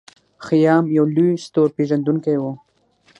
خیام یو لوی ستورپیژندونکی و.